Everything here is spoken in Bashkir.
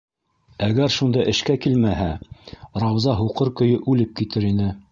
Әгәр шунда эшкә килмәһә, Рауза һуҡыр көйө үлеп китер ине.